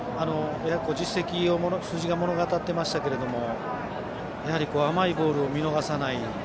実績を数字が物語っていましたけどもやはり甘いボールを見逃さない。